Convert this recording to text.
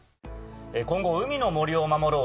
今後「海の森を守ろう！